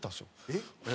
えっ？